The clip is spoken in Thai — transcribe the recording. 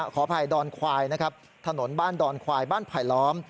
ขออภัยดอนควายนะครับถนนบ้านดอนควายบ้านไผลล้อม